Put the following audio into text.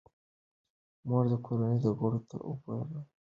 مور د کورنۍ غړو ته د اوبو د کمښت په اړه معلومات ورکوي.